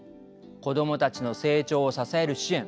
子どもたちの成長を支える支援